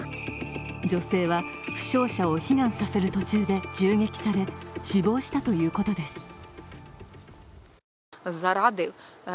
女性は負傷者を避難させる途中で銃撃され死亡したということです。